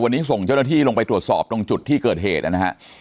วันนี้ส่งเจ้าหน้าที่ลงไปตรวจสอบตรงจุดที่เกิดเหตุนะฮะ